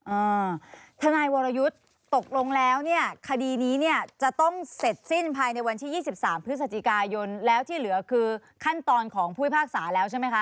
อ่าทนายวรยุทธ์ตกลงแล้วเนี่ยคดีนี้เนี่ยจะต้องเสร็จสิ้นภายในวันที่ยี่สิบสามพฤศจิกายนแล้วที่เหลือคือขั้นตอนของผู้พิพากษาแล้วใช่ไหมคะ